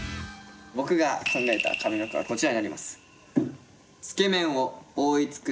僕が考えた上の句はこちらになります。